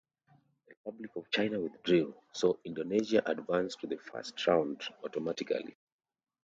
Republic of China withdrew, so Indonesia advanced to the First Round automatically.